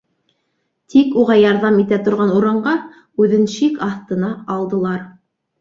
Тик уға ярҙам итә торған урынға, үҙен шик аҫтына алдылар.